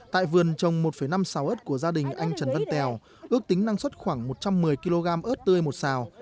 tại vườn trồng một năm xào ớt của gia đình anh trần văn tèo ước tính năng suất khoảng một trăm một mươi kg ớt tươi một xào